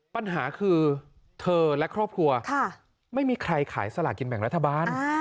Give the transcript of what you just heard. ปัญหาคือเธอและครอบครัวไม่มีใครขายสลากินแบ่งรัฐบาล